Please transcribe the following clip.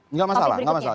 nggak masalah nggak masalah